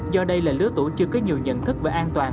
do đây là lứa tuổi chưa có nhiều nhận thức về an toàn